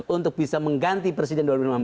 untuk bisa mengganti presiden dua ribu sembilan belas